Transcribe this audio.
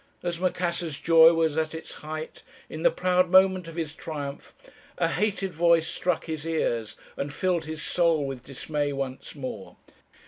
As Macassar's joy was at its height, in the proud moment of his triumph, a hated voice struck his ears, and filled his soul with dismay once more.